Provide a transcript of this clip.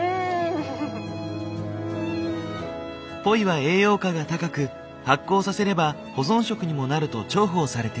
ポイは栄養価が高く発酵させれば保存食にもなると重宝されていた。